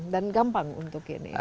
dan gampang untuk ini